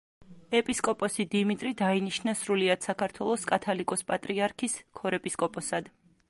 ეპისკოპოსი დიმიტრი დაინიშნა სრულიად საქართველოს კათოლიკოს-პატრიარქის ქორეპისკოპოსად.